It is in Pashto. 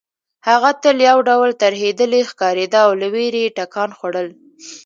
هغه تل یو ډول ترهېدلې ښکارېده او له وېرې یې ټکان خوړل